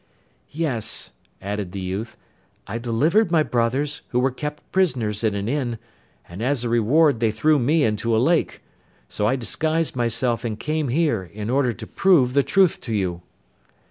'Yes,' added the youth, 'I delivered my brothers, who were kept prisoners in an inn, and, as a reward, they threw me into a lake. So I disguised myself and came here, in order to prove the truth to you.